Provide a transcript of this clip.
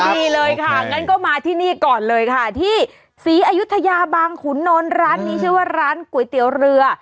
ดีเลยค่ะงั้นก็มาที่นี่ก่อนเลยค่ะที่ศรีอยุธยาบางขุนนท์ร้านนี้ชื่อว่าร้านก๋วยเตี๋ยวเรือ